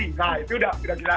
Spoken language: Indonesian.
nah itu udah gila gila